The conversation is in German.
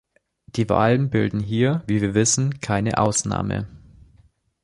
Die Wahlen bilden hier, wie wir wissen, keine Ausnahme.